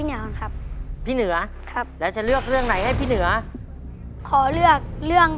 น้องเหนือ